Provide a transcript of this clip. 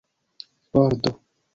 ordo